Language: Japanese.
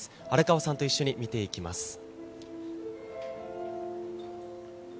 荒川さんと一緒に見ていきます。